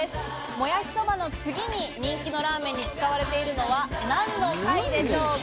もやしそばの次に人気のラーメンに使われているのは何の貝でしょうか？